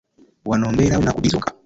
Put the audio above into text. Wano mbeerawo ennaku bbiri zokka.